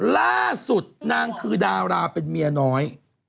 ล่าสุดนางคือดาราเป็นเมียน้อย